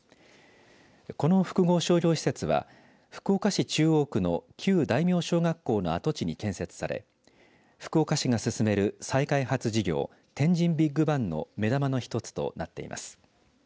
この複合商業施設は福岡市中央区の旧大名小学校の跡地に建設され福岡市が進める再開発事業天神ビッグバンの目玉の一つとなっています。